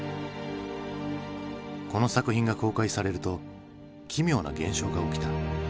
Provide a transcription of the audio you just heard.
この作品が公開されると奇妙な現象が起きた。